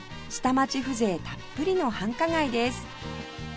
下町風情たっぷりの繁華街です